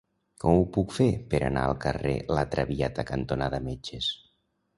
Com ho puc fer per anar al carrer La Traviata cantonada Metges?